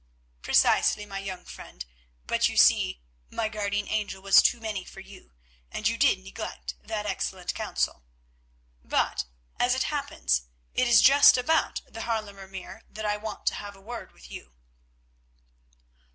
"Precisely, my young friend, but you see my guardian angel was too many for you, and you did neglect that excellent counsel. But, as it happens, it is just about the Haarlemer Meer that I want to have a word with you."